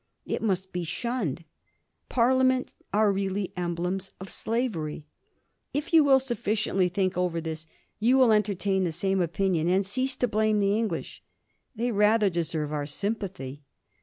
It must be shunned. Parliament are really emblems of slavery. If you will sufficiently think over this, you will entertain the same opinion, and cease to blame the English. They rather deserve our sympathy.